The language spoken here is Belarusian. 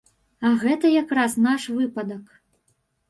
А гэта якраз наш выпадак.